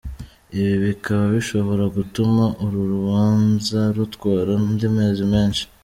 Ibi bikaba bishobora gutuma uru rubanza rutwara andi mezi menshi.